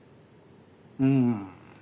うん。